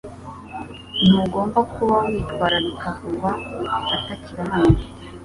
Ntugomba kuba witwararika kuva atakiba hano .